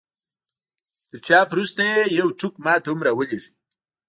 تر چاپ وروسته يې يو ټوک ما ته هم را ولېږئ.